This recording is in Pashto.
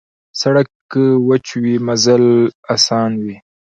سړک که وچه وي، مزل اسان وي.